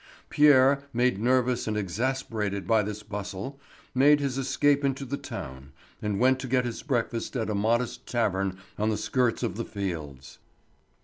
Pierre, made nervous and exasperated by this bustle, made his escape into the town, and went to get his breakfast at a modest tavern on the skirts of the fields.